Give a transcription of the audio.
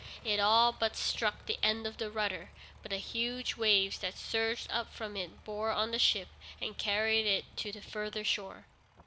It all but struck the end of the rudder, but the huge waves that surged up from it bore on the ship, and carried it to the further shore.